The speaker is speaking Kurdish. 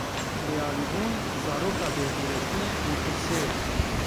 Bêalîbûn, zaroka bêxîretî û tirsê ye.